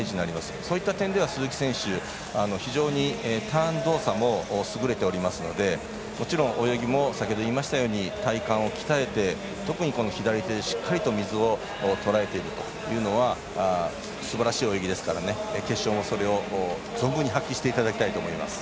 そういった点では鈴木選手は非常にターン動作も優れておりますのでもちろん泳ぎも、体幹を鍛えて特に左手で、しっかりと水をとらえているというのはすばらしい泳ぎですから決勝もそれを存分に発揮していただきたいと思います。